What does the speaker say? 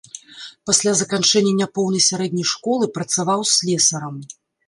Пасля заканчэння няпоўнай сярэдняй школы працаваў слесарам.